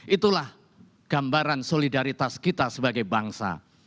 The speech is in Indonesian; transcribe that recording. itulah gambaran solidaritas kita sebagai bangsa